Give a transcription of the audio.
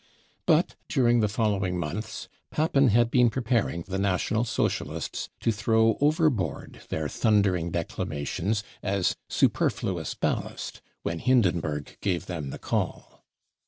" But during the following months Papen had been preparing the National* Socialists to throw overboard their thundering declamations as superfluous ballast when Hindenburg gave them the call.